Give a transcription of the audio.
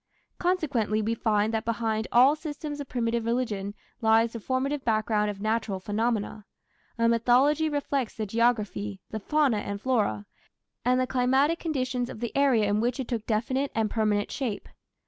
Consequently, we find that behind all systems of primitive religion lies the formative background of natural phenomena. A mythology reflects the geography, the fauna and flora, and the climatic conditions of the area in which it took definite and permanent shape.